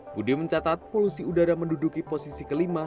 budi mencatat polusi udara menduduki posisi kelima